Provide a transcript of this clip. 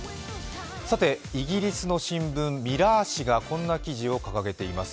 さて、英国の新聞「ミラー」紙がこんな記事を掲げています。